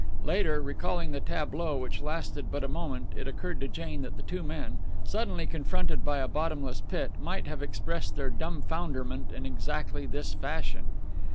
Later, recalling the tableau, which lasted but a moment, it occurred to Jane that two men, suddenly confronted by a bottomless pit, might have expressed their dumfounderment in exactly this fashion.